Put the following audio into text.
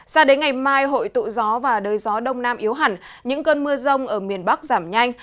sao đến ngày mai hội tụ gió và đới gió đông nam yếu hẳn những cơn mưa rông ở miền bắc giảm nhanh